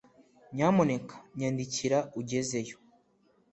Nyamuneka nyandikira ugezeyo